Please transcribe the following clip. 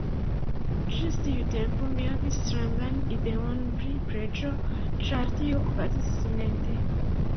Ĝis tiu tempo mi havis strangan ideon pri preĝo, ĉar tio okazis silente.